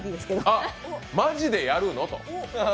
あっ、マジでやるのと。